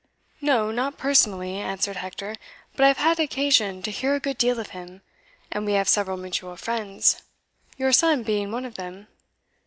"No, not personally," answered Hector, "but I have had occasion to hear a good deal of him, and we have several mutual friends your son being one of them.